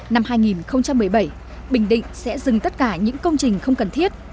năm hai nghìn một mươi bảy bình định sẽ dừng tất cả những công trình không cần thiết